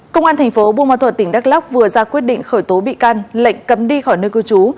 công an thành phố buôn ma thuật tỉnh đắk lóc vừa ra quyết định khởi tố bị can lệnh cấm đi khỏi nơi cư trú